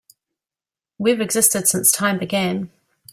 We've existed since time began.